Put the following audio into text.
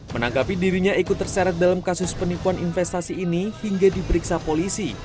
menanggapi dirinya ikut terseret dalam kasus penipuan investasi ini hingga diperiksa polisi